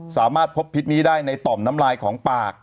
สามารถพบพิษนี้ได้ในต่อมน้ำลายของปาก